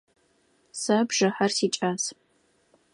Сэ бжыхьэр сикӏас.